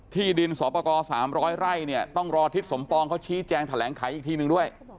ที่ดินสอปกร๓๐๐ไร่เนี่ยต้องรอทิศสมปองเขาชี้แจงแถลงไขอีกทีหนึ่งด้วย